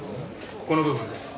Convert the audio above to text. この部分です。